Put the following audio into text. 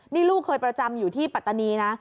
นี่ลูกเคยประจำอยู่ที่ปัตตานีนะ